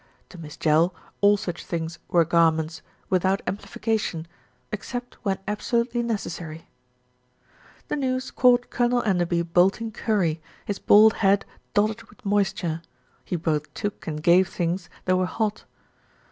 To Miss Jell, all such things were garments, without amplification, except when absolutely necessary. The news caught Colonel Enderby bolting curry, his bald head dotted with moisture he both took and gave things that were hot.